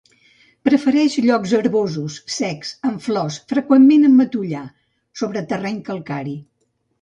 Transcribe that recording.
Prefereix llocs herbosos, secs, amb flors, freqüentment amb matollar; sobre terreny calcari.